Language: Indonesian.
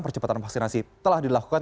percepatan vaksinasi telah dilakukan